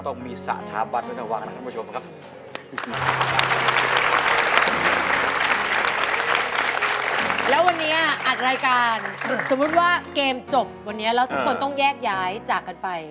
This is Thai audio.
แล้ววันนี้อัดรายการสมมุติว่าเกมจบวันนี้แล้วทุกคนต้องแยกย้ายจากกันไป